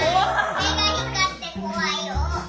目が光って怖いよ。